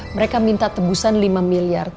mereka minta tebusan lima miliar